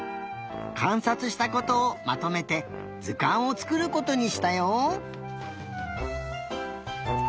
かんさつしたことをまとめてずかんをつくることにしたよ！